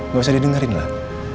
gak usah didengerin lah